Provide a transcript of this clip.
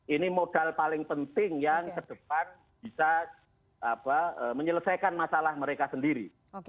ini modal paling penting yang ke depan bisa menyelesaikan masalah mereka sendiri